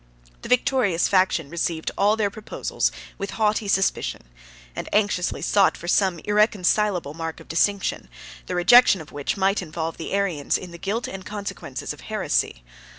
The victorious faction received all their proposals with haughty suspicion; and anxiously sought for some irreconcilable mark of distinction, the rejection of which might involve the Arians in the guilt and consequences of heresy.